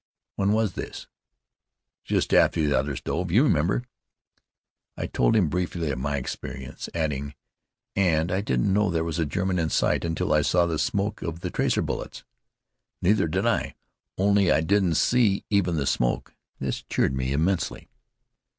"When was this?" "Just after the others dove. You remember " I told him, briefly, of my experience, adding, "And I didn't know there was a German in sight until I saw the smoke of the tracer bullets." "Neither did I, only I didn't see even the smoke." This cheered me immensely.